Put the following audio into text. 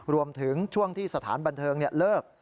รวมถึงช่วงที่สถานบันเทิงเลิก